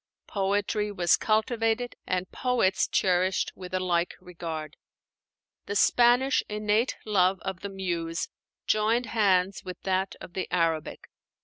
Poetry was cultivated and poets cherished with a like regard: the Spanish innate love of the Muse joined hands with that of the Arabic.